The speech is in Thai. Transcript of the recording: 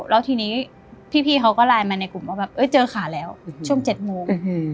แล้วทีนี้พี่เขาก็ไลน์มาในกลุ่มว่าแบบเจอขาแล้วช่วง๗โมง